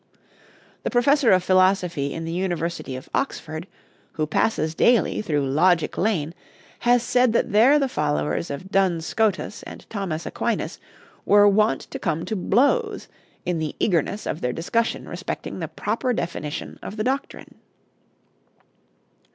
The professor of philosophy in the University of Oxford, who passes daily through Logic Lane, has said that there the followers of Duns Scotus and Thomas Aquinas were wont to come to blows in the eagerness of their discussion respecting the proper definition of the doctrine.